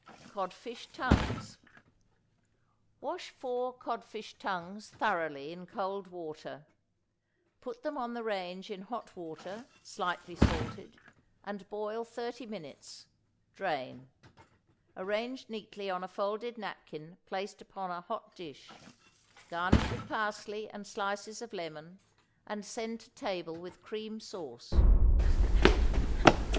=Codfish Tongues.= Wash four codfish tongues thoroughly in cold water; put them on the range in hot water, slightly salted, and boil thirty minutes; drain; arrange neatly on a folded napkin placed upon a hot dish; garnish with parsley and slices of lemon, and send to table with cream sauce.